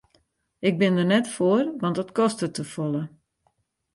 Ik bin der net foar want it kostet te folle.